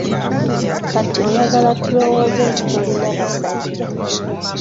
Kati oyagala tulowooze nti tolina basajja?